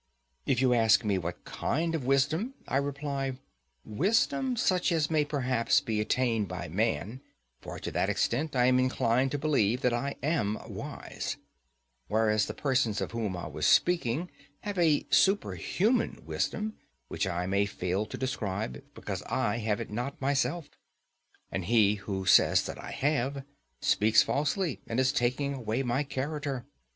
If you ask me what kind of wisdom, I reply, wisdom such as may perhaps be attained by man, for to that extent I am inclined to believe that I am wise; whereas the persons of whom I was speaking have a superhuman wisdom which I may fail to describe, because I have it not myself; and he who says that I have, speaks falsely, and is taking away my character.